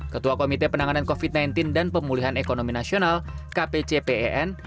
ketua komite penanganan covid sembilan belas dan pemulihan ekonomi nasional kpcpen